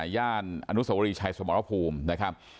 ย่านอนุสวรีชัยสมรภูมินะครับ